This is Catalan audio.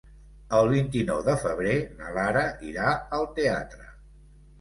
El vint-i-nou de febrer na Lara irà al teatre.